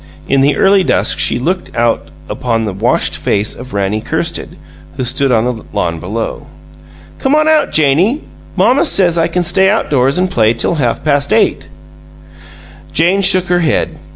In the early dusk she looked out upon the washed face of Rannie Kirsted, who stood on the lawn below. "Come on out, Janie. Mamma says I can stay outdoors an' play till half past eight." Jane shook her head.